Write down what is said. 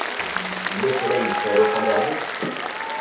Yella kra i yettaru Xali Ɛli.